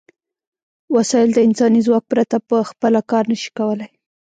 وسایل د انساني ځواک پرته په خپله کار نشي کولای.